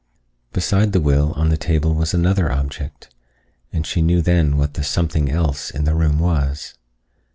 Beside the will on the table was another object, and she knew then what the "something else" in the room was.